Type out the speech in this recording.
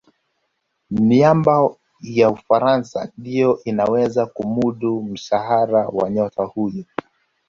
miamba ya ufaransa ndiyo inaweza kumudu mshahara wa nyota huyo